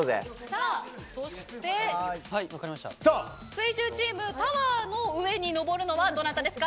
水１０チームタワーの上に登るのはどなたですか。